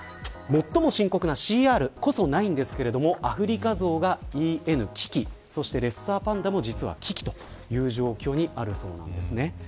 最も深刻なＣＲこそないんですがアフリカゾウがＥＮ、危機そしてレッサーパンダも実は危機という状況にあるそうです。